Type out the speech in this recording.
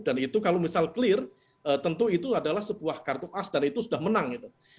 dan itu kalau misal clear tentu itu adalah sebuah kartu as dan itu sudah menang